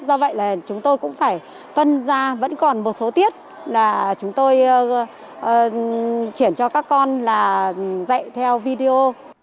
do vậy là chúng tôi cũng phải phân ra vẫn còn một số tiết là chúng tôi chuyển cho các con là dạy theo video